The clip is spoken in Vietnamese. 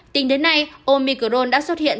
tính đến nay omicron đã xuất hiện